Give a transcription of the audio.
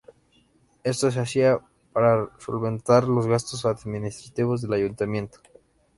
Esto se hacía para solventar los gastos administrativos del Ayuntamiento.